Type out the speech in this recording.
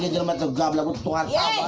jok dia mau bonus daripada isa bola